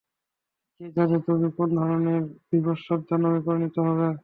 কে জানে তুমি কোন ধরণের বীভৎস দানবে পরিণত হবে?